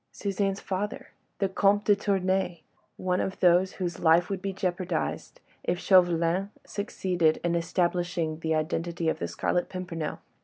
Suzanne's father! the Comte de Tournay!—one of those whose life would be jeopardised if Chauvelin succeeded in establishing the identity of the Scarlet Pimpernel.